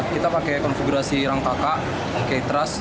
kita pakai konfigurasi rangka pakai k trust